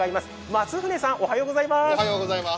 松舟さん、おはようございます。